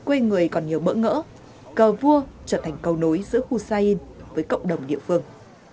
quê người còn nhiều mỡ ngỡ cờ vua trở thành cầu nối giữa hussein với cộng đồng địa phương